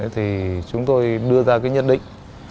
thì chúng tôi đưa ra cái nhất định